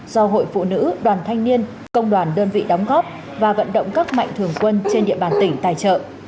do hội phụ nữ đoàn thanh niên công đoàn đơn vị đóng góp và vận động các mạnh thường quân trên địa bàn tỉnh tài trợ